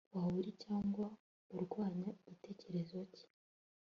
waba uri cyangwa urwanya igitekerezo cye